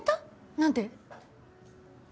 何で？